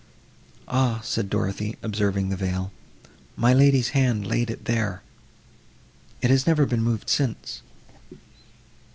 "Ah!" said Dorothée, observing the veil, "my lady's hand laid it there; it has never been moved since!"